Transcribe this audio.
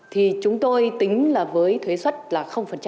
thì chúng tôi tính với thuế xuất là